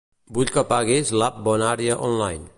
Vull que apaguis l'app BonÀrea Online.